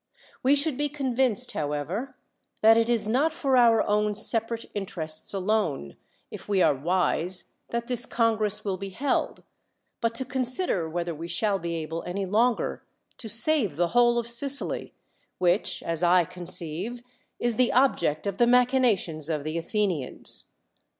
We should be convinced, however, that it is not for our own separate interests alone, if we are wise, that this congress vrill be held; but to consider whether we shall be able any longer to save the whole of Sicily, which, as I conceive, is the object of the machinations of the Athenians.